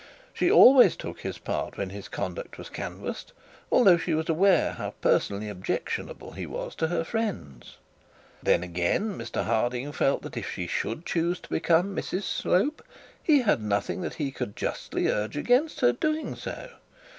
She always took his part when his conduct was canvassed, although she was aware how personally objectionable he was to her friends. Then, again, Mr Harding felt that if she should choose to become Mrs Slope, he had nothing that he could justly against her doing so.